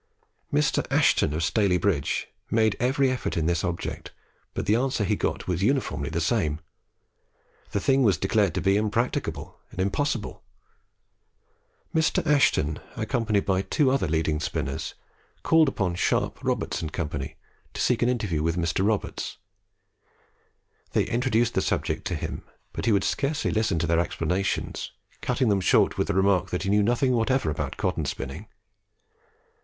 Mr. Ashton of Staley bridge made every effort with this object, but the answer he got was uniformly the same. The thing was declared to be impracticable and impossible. Mr. Ashton, accompanied by two other leading spinners, called on Sharp, Roberts, and Co., to seek an interview with Mr. Roberts. They introduced the subject to him, but he would scarcely listen to their explanations, cutting them short with the remark that he knew nothing whatever about cotton spinning.